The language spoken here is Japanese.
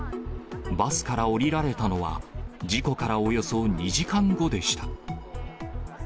バスから降りられたのは、事故からおよそ２時間後でした。